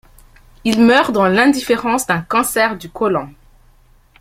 Il meurt dans l'indifférence d'un cancer du côlon.